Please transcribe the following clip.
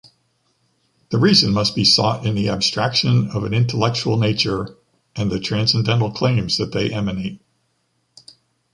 The reason must be sought in the abstraction of an intellectual nature and the transcendental claims that they emanate.